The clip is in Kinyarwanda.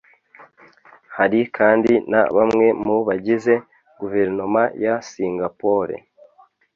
Hari kandi na bamwe mu bagize guverinoma ya Singapore